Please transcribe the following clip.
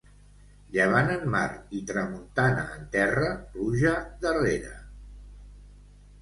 Llevant en mar i tramuntana en terra, pluja darrere.